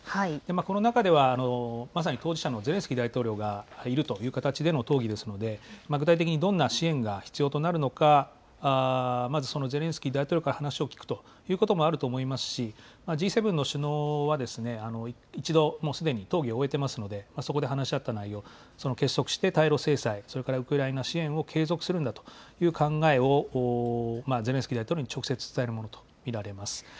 この中では、まさに当事者のゼレンスキー大統領がいるという形での討議ですので、具体的にどんな支援が必要となるのか、まずそのゼレンスキー大統領から話を聞くということもあると思いますし、Ｇ７の首脳は一度、もうすでに討議を終えてますので、そこで話し合った内容、結束して対ロ制裁、それからウクライナ支援を継続するんだという考えを、ゼレンスキー大統領に直接伝えるものと見られます。